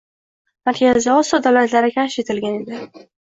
Markaziy Osiyo davlatlari kashf etilgan edi.